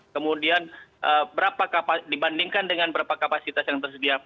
kemudian dibandingkan dengan berapa kapasitas yang tersedia